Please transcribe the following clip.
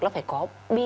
nó phải có